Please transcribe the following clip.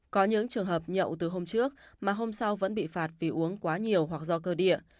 có những trường hợp nhậu từ hôm trước mà hôm sau vẫn bị phạt vì uống quá nhiều hoặc do cơ địa